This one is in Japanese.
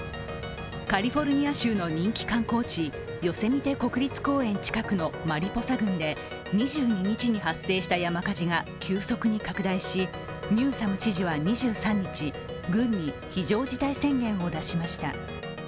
カリフォルニア州の人気観光地、ヨセミテ国立公園近くのマリポサ郡で２２日に発生した山火事が急速に拡大し、ニューサム知事は２３日、郡に非常事態宣言を出しました。